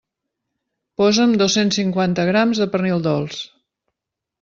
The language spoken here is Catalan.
Posa'm dos-cents cinquanta grams de pernil dolç.